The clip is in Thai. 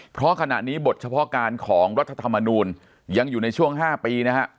เพราะขณะนี้บทเฉพาะการของรัฐธรรมนูลยังอยู่ในช่วง๕ปีนะฮะ